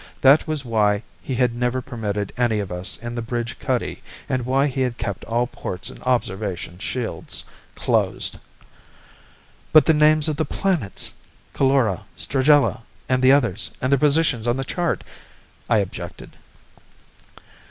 That was why he had never permitted any of us in the bridge cuddy and why he had kept all ports and observation shields closed. "But the names of the planets ... Coulora, Stragella, and the others and their positions on the chart...?" I objected.